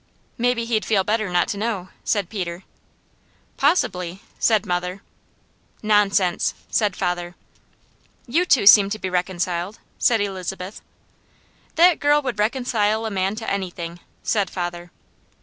"Maybe he'd feel better not to know," said Peter. "Possibly!" said mother. "Nonsense!" said father. "You seem to be reconciled," said Elizabeth. "That girl would reconcile a man to anything," said father.